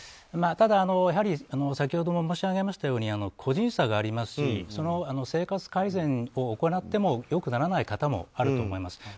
ただ、先ほども申し上げましたように個人差がありますし生活改善を行っても良くならない方もいらっしゃると思います。